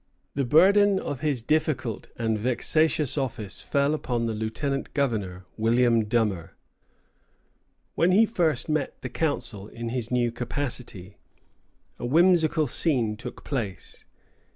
The burden of his difficult and vexatious office fell upon the lieutenant governor, William Dummer. When he first met the Council in his new capacity, a whimsical scene took place.